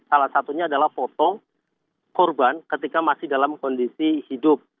salah satunya adalah foto korban ketika masih dalam kondisi hidup